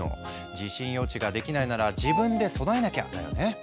地震予知ができないなら「自分で備えなきゃ！」だよね。